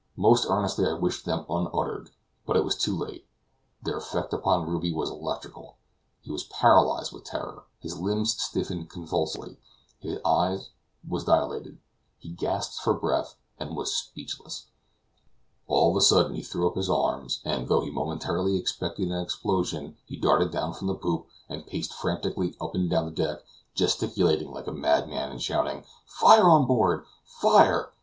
Most earnestly I wished them unuttered. But it was too late their effect upon Ruby was electrical. He was paralyzed with terror; his limbs stiffened convulsively; his eye was dilated; he gasped for breath, and was speechless. All of a sudden he threw up his arms, and, as though he momentarily expected an explosion, he darted down from the poop, and paced frantically up and down the deck, gesticulating like a madman, and shouting: "Fire on board! Fire!